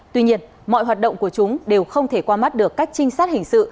tuy nhiên mọi hoạt động của chúng đều không thể qua mắt được các trinh sát hình sự